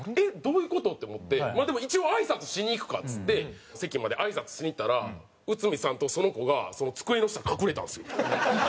でも一応あいさつしに行くかっつって席まであいさつしに行ったら内海さんとその子が机の下に隠れたんですよ。